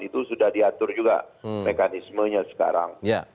itu sudah diatur juga mekanismenya sekarang